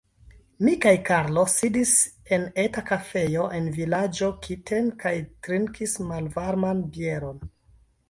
Mi kaj Karlo sidis en eta kafejo en vilaĝo Kiten kaj trinkis malvarman bieron.